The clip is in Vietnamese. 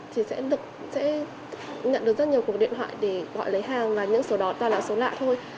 thì sẽ nhận được rất nhiều cuộc điện thoại để gọi lấy hàng và những số đó là số lạ thôi